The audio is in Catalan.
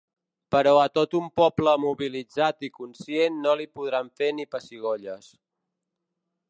Però a tot un poble mobilitzat i conscient no li podran fer ni pessigolles.